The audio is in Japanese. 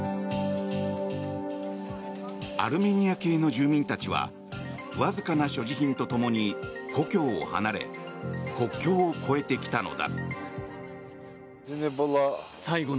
アルメニア系の住民たちはわずかな所持品とともに故郷を離れ国境を越えてきたのだ。